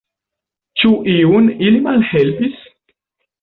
Ĉu iun ili malhelpis?